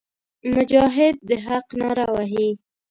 مجاهد د حق ناره وهي.